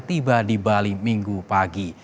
tiba di bali minggu pagi